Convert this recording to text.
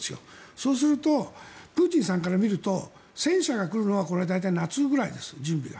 そうするとプーチンさんから見ると戦車が来るのはこれは大体、夏ぐらいです準備が。